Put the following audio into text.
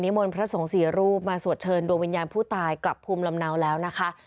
มนต์พระสงฆ์สี่รูปมาสวดเชิญดวงวิญญาณผู้ตายกลับภูมิลำเนาแล้วนะคะ